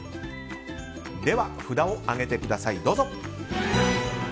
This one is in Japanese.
では、札を上げてください。